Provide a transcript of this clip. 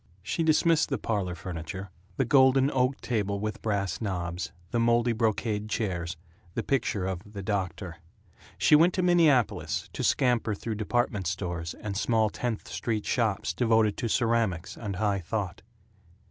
She dismissed the parlor furniture the golden oak table with brass knobs, the moldy brocade chairs, the picture of "The Doctor." She went to Minneapolis, to scamper through department stores and small Tenth Street shops devoted to ceramics and high thought.